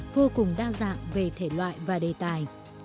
vô cùng đa dạng về thể loại và đề tài